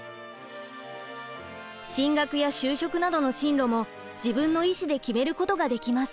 進学や就職などの進路も自分の意思で決めることができます。